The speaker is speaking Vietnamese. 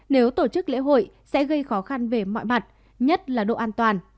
nếu tổ chức lễ hội sẽ gây khó khăn về mọi mặt nhất là độ an toàn